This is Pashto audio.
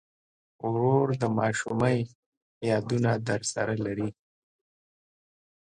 ورور د ماشومۍ یادونه درسره لري.